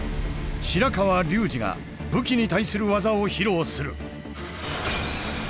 白川竜次が武器に対する技を披露する。